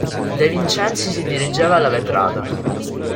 De Vincenzi si dirigeva alla vetrata.